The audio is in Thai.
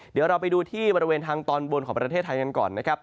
เดี๋ยวเราไปดูที่บริเวณทางตอนบนของประเทศไทยกันก่อนนะครับ